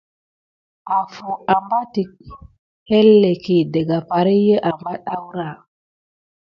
Afu abatik yelinke daka far ki apat aoura.